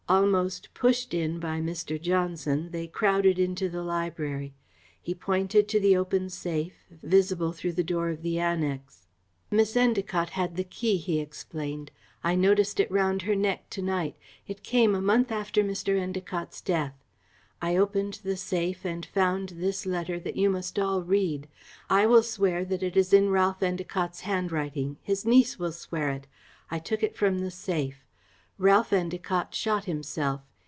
Almost pushed in by Mr. Johnson, they crowded into the library. He pointed to the open safe, visible through the door of the annex. "Miss Endacott had the key," he explained. "I noticed it round her neck to night. It came a month after Mr. Endacott's death. I opened the safe and found this letter that you must all read. I will swear that it is in Ralph Endacott's handwriting. His niece will swear it. I took it from the safe. Ralph Endacott shot himself.